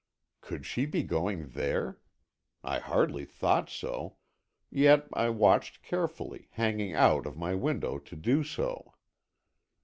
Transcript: Could she be going there? I hardly thought so, yet I watched carefully, hanging out of my window to do so.